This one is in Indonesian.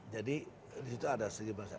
jadi di situ ada segi bahasa